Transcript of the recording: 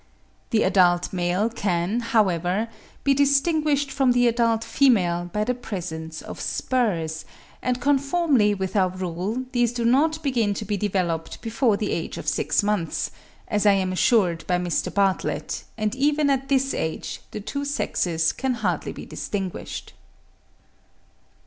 The adult male can, however, be distinguished from the adult female by the presence of spurs; and conformably with our rule, these do not begin to be developed before the age of six months, as I am assured by Mr. Bartlett, and even at this age, the two sexes can hardly be distinguished.